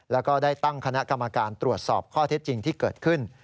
แล้วก็ได้ตั้งคณะกรรมการตรวจสอบข้อเท็จจริงที่เกิดขึ้น